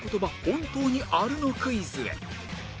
本当にあるのクイズへ